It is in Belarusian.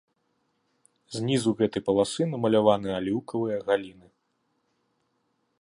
Знізу гэтай паласы намаляваны аліўкавыя галіны.